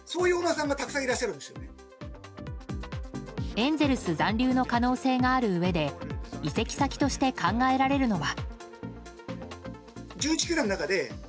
エンゼルス残留の可能性があるうえで移籍先として考えられるのは。